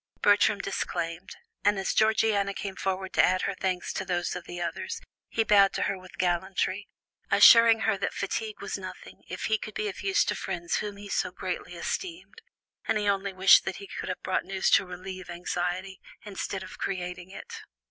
Bertram disclaimed, and as Georgiana came forward to add her thanks to those of the others, he bowed to her with gallantry, assuring her that fatigue was nothing, if he could be of use to friends whom he so greatly esteemed, and he only wished that he could have brought news to relieve anxiety, instead of creating it.